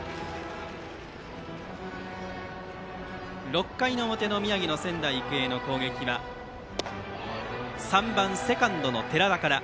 ６回表、宮城の仙台育英の攻撃は３番、セカンドの寺田から。